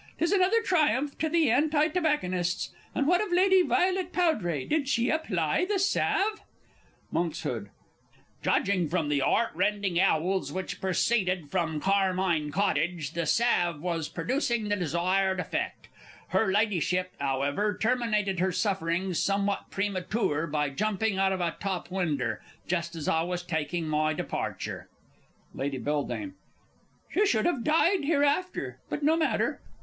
'Tis another triumph to the Anti tobacconists. And what of Lady Violet Powdray did she apply the salve? Monks. Judging from the 'eartrending 'owls which proceeded from Carmine Cottage, the salve was producing the desired result. Her Ladyship, 'owever, terminated her sufferings somewhat prematoor by jumping out of a top winder just as I was taking my departure Lady B. She should have died hereafter but no matter